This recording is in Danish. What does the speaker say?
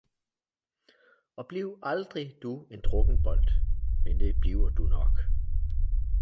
og bliv aldrig du en drukkenbolt, men det bliver du nok!